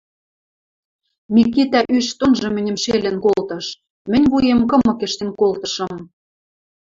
Микитӓ ӱш донжы мӹньӹм шелӹн колтыш, мӹнь вуем кымык ӹштен колтышым.